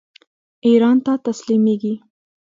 ایران ته تسلیمیږي.